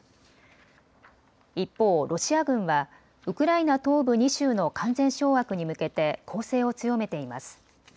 一方、ロシア軍はウクライナ東部２州の完全掌握に向けて攻勢を強めています。